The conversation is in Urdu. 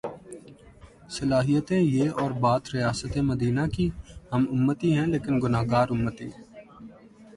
صلاحیتیں یہ اور بات ریاست مدینہ کی ہم امتی ہیں لیکن گناہگار امتی۔